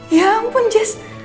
ya ampun jess